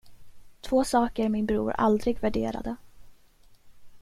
Två saker min bror aldrig värderade.